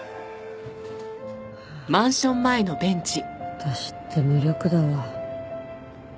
私って無力だわ。